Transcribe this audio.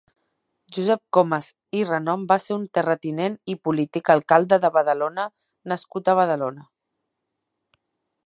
Josep Comas i Renom va ser un terratinent i polític, alcalde de Badalona nascut a Badalona.